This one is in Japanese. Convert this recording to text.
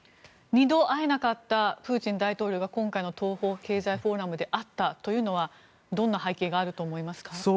２度会えなかったプーチン大統領が今回の東方経済フォーラムで会ったというのはどんな背景があると思いますか？